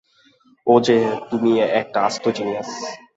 ওজে, তুমি একটা আস্ত জিনিয়াস।